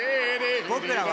「僕らは」。